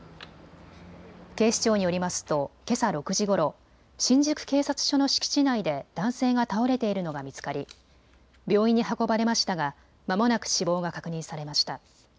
警視庁によりますとけさ６時ごろ、新宿警察署の敷地内で男性が倒れているのが見つかり病院に運ばれましたがまもなく死亡が確認されました。